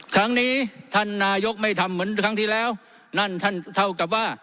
ครั้งนี้ท่านนายกไม่ทำเหมือนครั้งที่แล้วนั่นท่านเท่ากับว่า